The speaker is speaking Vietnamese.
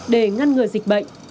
để ngăn ngừa dịch bệnh